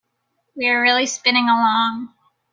We are really spinning along.